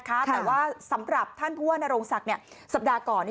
คะแต่ว่าสำหรับท่านผู้ว่านโรงศักดิ์เนี่ยสัปดาห์ก่อนเนี่ย